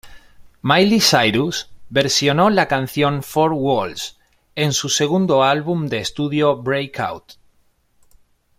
Miley Cyrus versionó la canción "Four Walls" en su segundo álbum de estudio "Breakout".